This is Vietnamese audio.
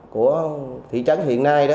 của thị trấn hiện nay đó